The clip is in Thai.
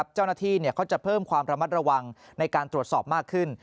เจ้าหน้าที่เขาจะเพิ่มความระมัดระวังในการตรวจสอบมากขึ้น